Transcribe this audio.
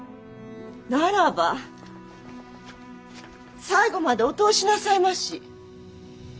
ならば最後までお通しなさいまし。